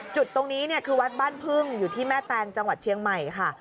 จุดตรงนี้เนี่ยคือวัดบ้านพึ่งอยู่ที่แม่แตงจังหวัดเชียงใหม่ค่ะ